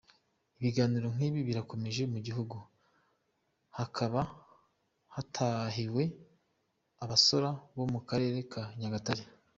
Ibiganiro nk’ibi birakomeje mu gihugu, hakaba hatahiwe abasora bo mu karere ka Nyagatare.